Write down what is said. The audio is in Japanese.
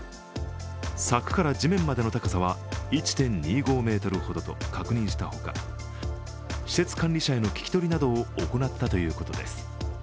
柵から地面までの高さは１．２５ｍほどと確認したほか施設管理者への聞き取りなどを行ったということです。